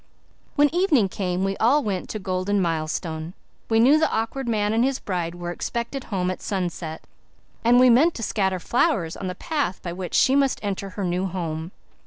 When evening came we all went to Golden Milestone. We knew the Awkward Man and his bride were expected home at sunset, and we meant to scatter flowers on the path by which she must enter her new home.